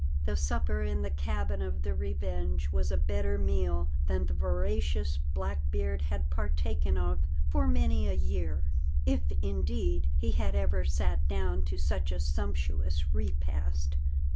The supper in the cabin of the Revenge was a better meal than the voracious Blackbeard had partaken of for many a year, if indeed he had ever sat down to such a sumptuous repast.